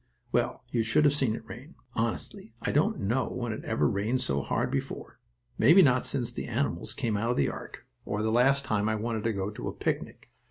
Well, you should have seen it rain! Honestly, I don't know when it ever rained so hard before; maybe not since the animals came out of the ark, or the last time I wanted to go to a picnic.